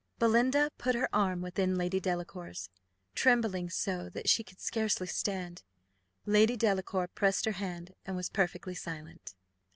Belinda put her arm within Lady Delacour's, trembling so that she could scarcely stand. Lady Delacour pressed her hand, and was perfectly silent.